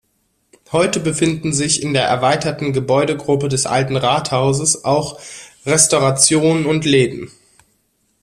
Heute befinden sich in der erweiterten Gebäudegruppe des Alten Rathauses auch Restaurationen und Läden.